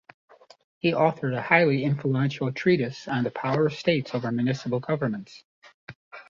He authored a highly influential treatise on the power of states over municipal governments.